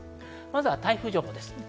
まずは台風情報です。